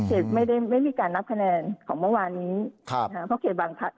ไม่ได้ไม่มีการนับคะแนนของเมื่อวานนี้ครับนะฮะเพราะเขตบางพัก